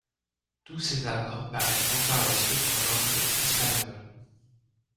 Tous ces albums paraîtront par la suite en langue espagnole.